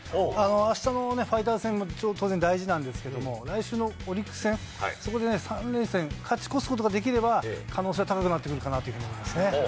あしたのファイターズ戦も当然、大事なんですけど、来週のオリックス戦、そこで３連戦、勝ち越すことができれば、可能性は高くなってくるかなと思いますね。